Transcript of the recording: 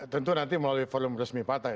tentu nanti melalui forum resmi partai